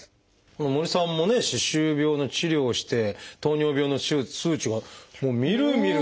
森さんもね歯周病の治療をして糖尿病の数値がみるみると。